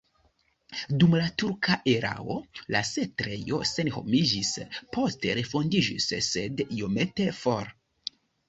Dum la turka erao la setlejo senhomiĝis, poste refondiĝis, sed iomete for.